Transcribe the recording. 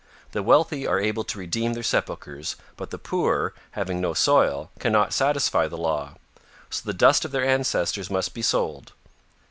The wealthy are able to redeem their sepulchers, but the poor, having no soil, cannot satisfy the law; so the dust of their ancestors must be sold.